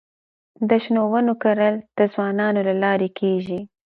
د شنو ونو کرل د ځوانانو له لارې کيږي.